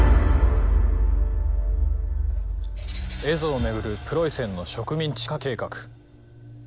蝦夷を巡るプロイセンの植民地化計画。